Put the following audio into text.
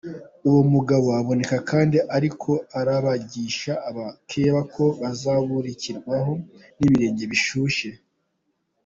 Uwo mugabo aboneka kandi ariko aragabisha abakeba ko bazobirukako n'ibirenge bishuhe.